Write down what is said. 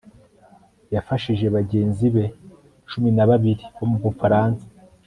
yafashije bagenzi be cumi na babiri bo mubufaransa